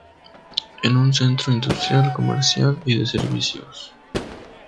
Es un centro industrial, comercial y de servicios.